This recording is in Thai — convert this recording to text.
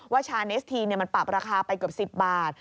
ชาเนสทีนมันปรับราคาไปเกือบ๑๐บาท